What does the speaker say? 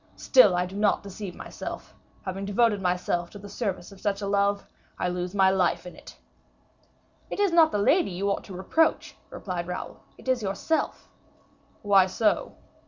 Still I do not deceive myself; having devoted myself to the service of such a love, I will lose my life in it." "It is not the lady you ought to reproach," replied Raoul; "it is yourself." "Why so?"